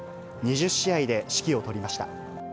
２０試合で指揮を執りました。